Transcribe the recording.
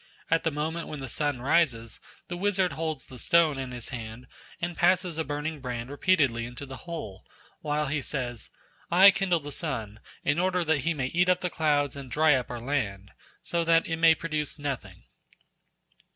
At the moment when the sun rises, the wizard holds the stone in his hand and passes a burning brand repeatedly into the hole, while he says: "I kindle the sun, in order that he may eat up the clouds and dry up our land, so that it may produce nothing."